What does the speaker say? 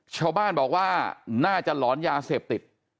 ชาวบ้านบอกว่าน่าจะหลอนยาเสพติด